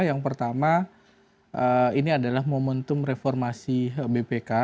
yang pertama ini adalah momentum reformasi bpk